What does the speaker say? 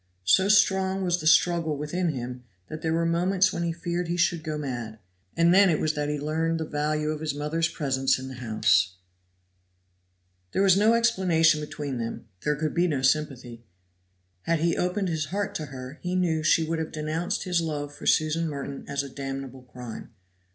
So strong was the struggle within him, that there were moments when he feared he should go mad; and then it was that he learned the value of his mother's presence in the house. There was no explanation between them, there could be no sympathy; had he opened his heart to her he knew she would have denounced his love for Susan Merton as a damnable crime.